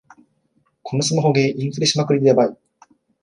このスマホゲー、インフレしまくりでヤバい